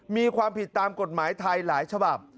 มีความผิดตามกฎหมายไทยหลายฉบับ